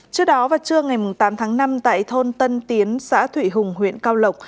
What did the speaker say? trước đó vào trưa ngày tám tháng năm tại thôn tân tiến xã thủy hùng huyện cao lộc